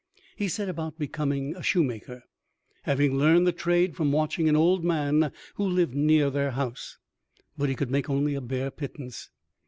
He set about becoming a shoemaker, having learned the trade from watching an old man who lived near their house; but he could make only a bare pittance.